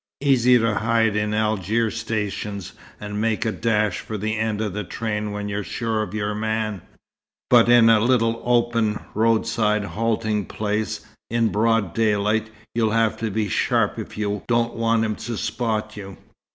Easy to hide in Algiers station, and make a dash for the end of the train when you're sure of your man. But in a little open, road side halting place, in broad daylight, you'll have to be sharp if you don't want him to spot you.